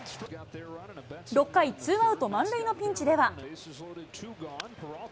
６回ツーアウト満塁のピンチでは。